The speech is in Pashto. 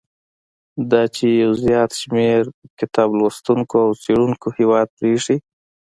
دا چې یو زیات شمیر کتاب لوستونکو او څېړونکو هیواد پریښی.